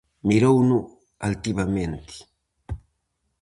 Mirouno altivamente.